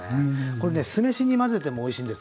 これね酢飯に混ぜてもおいしいんですよ。